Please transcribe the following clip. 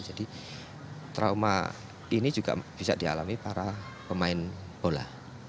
jadi trauma ini juga bisa dialami para pemain bola